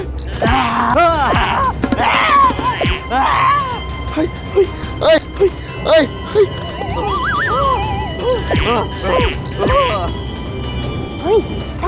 เมล็ดแกะ